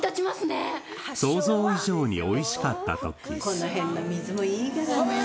この辺の水もいいからねぇ。